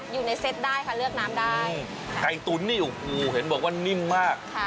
อยู่ในเซ็ตได้ค่ะเลือกน้ำได้อืมไก่ตุ๋นนี่อุ้ยเห็นบอกว่านิ่มมาก